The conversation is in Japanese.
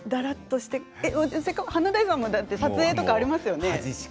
華大さんも撮影とかありますよね。